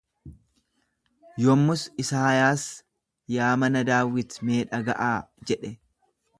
Yommus Isaayaas yaa mana Daawit mee dhaga'aa jedhe.